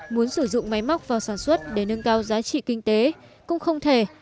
muốn sử dụng máy móc vào sản xuất để nâng cao giá trị kinh tế cũng không thể